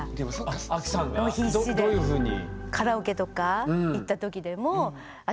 どういうふうに？